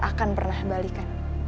akan pernah balikan